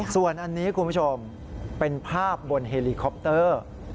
ส่วนอันนี้คุณผู้ชมเป็นภาพบนเฮลิคอปเตอร์